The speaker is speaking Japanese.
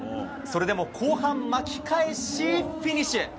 それでも後半巻き返しフィニッシュ。